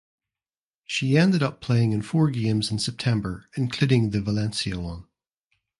She ended up playing in four games in September including the Valencia one.